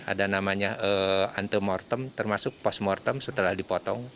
ada namanya antemortem termasuk postmortem setelah dipotong